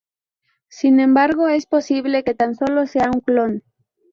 Sin embargo es posible que tan solo sea un clon.